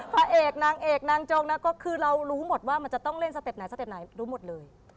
พระเอกนางเอกนางจงนะก็คือเรารู้หมดว่ามันจะต้องเล่นสเต็ปไหนสเต็ปไหนรู้หมดเลย